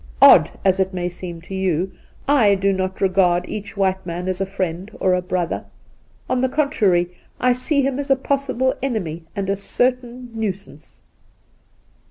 Odd as it may seem to you, I do not regard each white man as a friend or a brother. On the contrary, I see in him a possible enemy and a certain nuisance.'